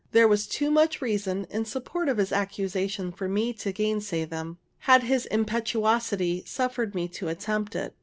There was too much reason in support of his accusations for me to gainsay them, had his impetuosity suffered me to attempt it.